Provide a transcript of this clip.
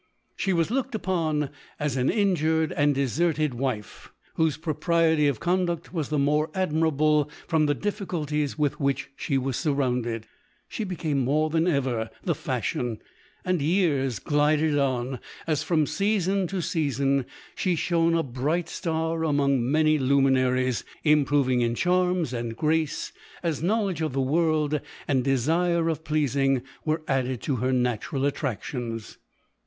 She was looked upon as an injured and deserted wife, whose propriety of conduct was the more admirable from the difficulties with which she was surrounded ; she became more than ever the fashion, and years glided on, as from season to season she shone a bright star among many luminaries, improving in charms and grace, as knowledge of the world and the desire of pleas ing were added to her natural attractions.